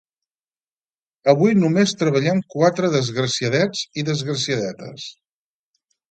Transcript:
Avui només treballem quatre desgraciadets i desgraciadetes